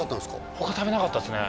他食べなかったっすね